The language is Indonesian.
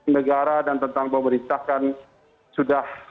negara dan tentang pemerintah kan sudah